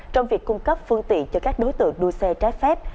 trong việc cung cấp phương tiện cho các đối tượng đua xe trái phép